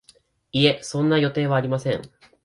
いえ、そんな予定はありません